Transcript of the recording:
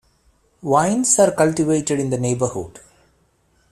Vines are cultivated in the neighborhood.